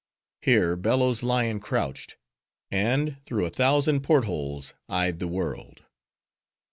Here Bello's lion crouched; and, through a thousand port holes, eyed the world.